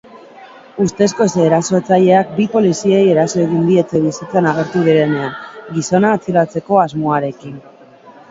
Ustezko erasotzaileak bi poliziei eraso egin die etxebizitzan agertu direnean gizona atxilotzeko asmoarekin.